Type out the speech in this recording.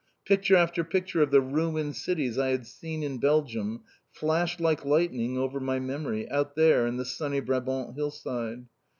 Picture after picture of the ruined cities I had seen in Belgium flashed like lightning over my memory out there on the sunny Brabant hillside.